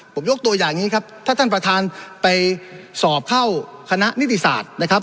ผมยกตัวอย่างนี้ครับถ้าท่านประธานไปสอบเข้าคณะนิติศาสตร์นะครับ